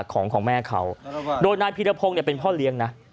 ของของแม่เขาโดยนายพีรพงศ์เนี่ยเป็นพ่อเลี้ยงนะ